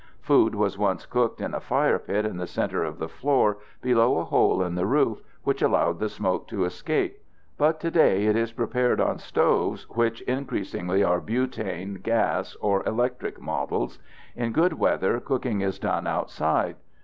Food was once cooked in a firepit in the center of the floor, below a hole in the roof which allowed the smoke to escape, but today it is prepared on stoves which increasingly are butane gas or electric models. In good weather, cooking is done outside.